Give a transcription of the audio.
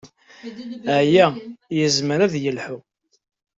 Aya yezmer ad yelḥu.